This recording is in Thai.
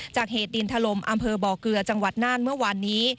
จากเหตุดินทะลมอำเภอบกจังหวัดน่านเมื่อวานนี้